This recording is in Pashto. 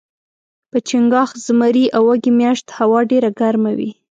په چنګاښ ، زمري او وږي میاشت هوا ډیره ګرمه وي